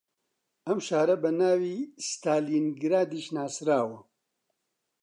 ئەم شارە بە ناوی ستالینگرادیش ناسراوە